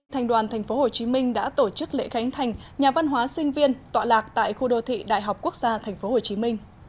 thành đoàn tp hcm đã tổ chức lễ khánh thành nhà văn hóa sinh viên tọa lạc tại khu đô thị đại học quốc gia tp hcm